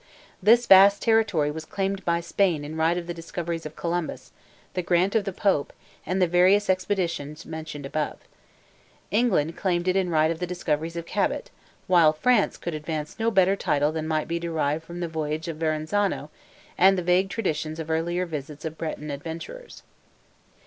This vast territory was claimed by Spain in right of the discoveries of Columbus, the grant of the Pope, and the various expeditions mentioned above. England claimed it in right of the discoveries of Cabot; while France could advance no better title than might be derived from the voyage of Verazzano and vague traditions of earlier visits of Breton adventurers.